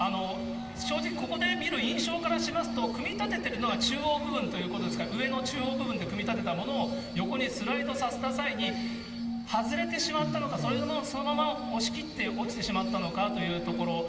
正直、ここで見る印象からしますと、組み立てているのが中央部分ということですから、上の中央部分で組み立てたものを横にスライドさせた際に外れてしまったのか、それともそのまま押し切って落ちてしまったのかというところ。